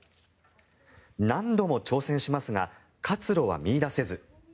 何度も挑戦しますが活路は見いだせず。